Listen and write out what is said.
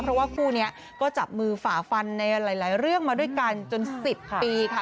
เพราะว่าคู่นี้ก็จับมือฝ่าฟันในหลายเรื่องมาด้วยกันจน๑๐ปีค่ะ